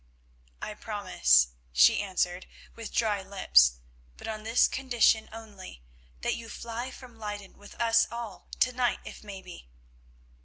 "I promise," she answered with dry lips, "but on this condition only, that you fly from Leyden with us all, to night if may be."